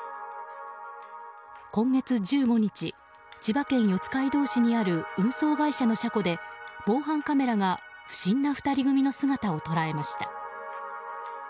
今月１５日千葉県四街道市にある運送会社の車庫で、防犯カメラが不審な２人組の姿を捉えました。